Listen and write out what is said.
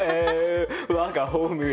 我がホームへ。